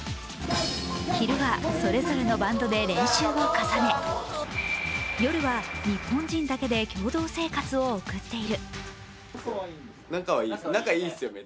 昼はそれぞれのバンドで練習を重ね、夜は日本人だけで共同生活を送っている。